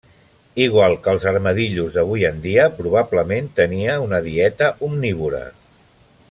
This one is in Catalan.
Igual que els armadillos d'avui en dia, probablement tenia una dieta omnívora.